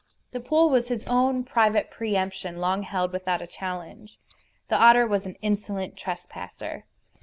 The pool was his own private preëmption, long held without a challenge. The otter was an insolent trespasser.